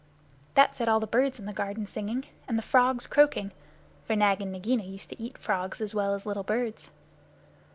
That set all the birds in the garden singing, and the frogs croaking, for Nag and Nagaina used to eat frogs as well as little birds.